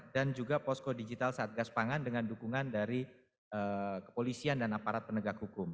dan juga posko digital saat gas pangan dengan dukungan dari kepolisian dan aparat penegak hukum